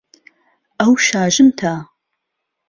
ئەو شاژنتە.